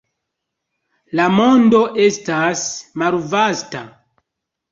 La mondo estas malvasta.